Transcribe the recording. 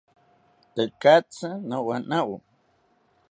Tekatzi nowanawo